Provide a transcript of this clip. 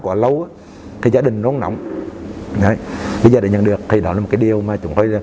quá lâu thì gia đình rốn rộn bây giờ đã nhận được thì đó là một cái điều mà chúng tôi cảm thấy rằng